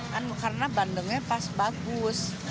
kan karena bandengnya pas bagus